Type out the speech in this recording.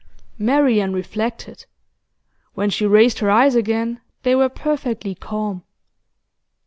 Marian reflected. When she raised her eyes again they were perfectly calm.